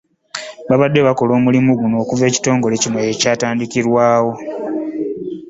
Babadde bakola omulimu guno okuva ekitongole kino lwe kyatandikibwawo